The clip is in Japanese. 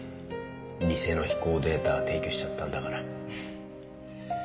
偽の飛行データ提供しちゃったんだから。